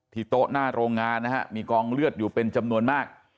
โต๊ะหน้าโรงงานนะฮะมีกองเลือดอยู่เป็นจำนวนมาก